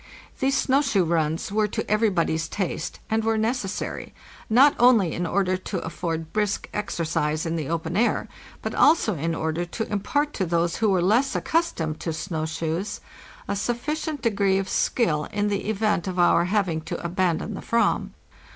'These snow shoe runs were to everybody's taste, and were necessary, not only in order to afford brisk exer cise in the open air, but also in order to impart to those who were less accustomed to snow shoes a sufficient degree of skill in the event of our having to abandon the Fram.